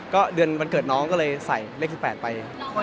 ก็เดือนวันเกิดน้องก็เลยใส่เลข๑๘ไป